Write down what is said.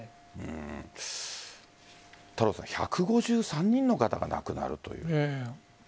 太郎さん１５３人の方が亡くなるという。